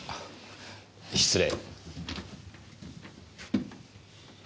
失礼。